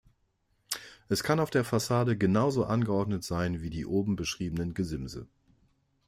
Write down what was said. Es kann auf der Fassade genauso angeordnet sein wie die oben beschriebenen Gesimse.